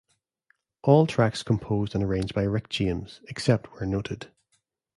All tracks composed and arranged by Rick James, except where noted.